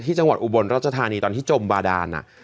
จังหวัดอุบลรัชธานีตอนที่จมบาดาน